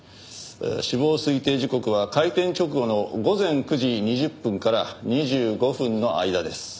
死亡推定時刻は開店直後の午前９時２０分から２５分の間です。